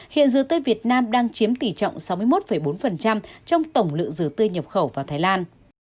hiện dừa tươi việt nam đang chiếm tỷ trọng sáu mươi một bốn trong tổng lượng dừa tươi nhập khẩu vào thái lan